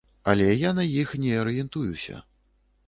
Але я на іх не арыентуюся.